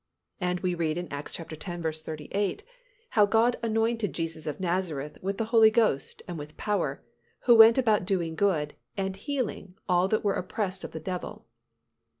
And we read in Acts x. 38, "How God anointed Jesus of Nazareth with the Holy Ghost and with power, who went about doing good and healing all that were oppressed of the devil."